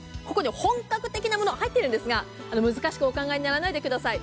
本格的なものが入っているんですが難しくお考えにならないでください。